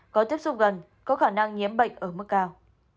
có tiếp xúc gần có khả năng nhiễm bệnh ở mức cao